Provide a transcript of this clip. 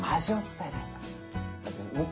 味を伝えないと。